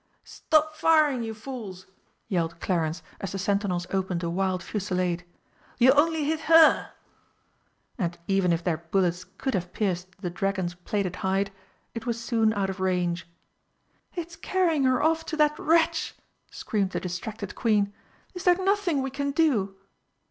"Stop firing, you fools!" yelled Clarence, as the sentinels opened a wild fusillade. "You'll only hit her!" And, even if their bullets could have pierced the dragon's plated hide, it was soon out of range. "It's carrying her off to that wretch!" screamed the distracted Queen. "Is there nothing we can do?"